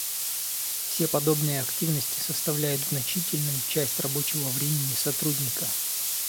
Все подобные активности составляют значительную часть рабочего времени сотрудника